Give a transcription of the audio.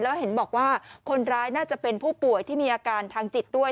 แล้วเห็นบอกว่าคนร้ายน่าจะเป็นผู้ป่วยที่มีอาการทางจิตด้วย